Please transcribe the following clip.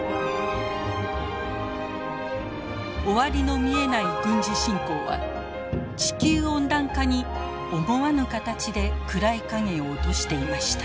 終わりの見えない軍事侵攻は地球温暖化に思わぬ形で暗い影を落としていました。